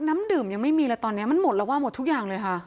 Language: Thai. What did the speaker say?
น้ำดื่มยังไม่มีเลยตอนนี้มันหมดแล้วว่าหมดทุกอย่างเลยค่ะ